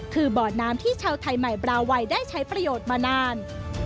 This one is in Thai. คือบ่อน้ำที่ชาวไทยใหม่บราวัยได้ใช้ประโยชน์มานาน